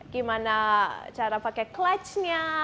gimana cara pakai clutchnya